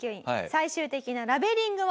最終的なラベリングを。